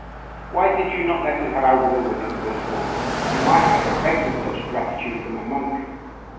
'Why did you not let us have our will with him, Prince Wulf? You might have expected such gratitude from a monk.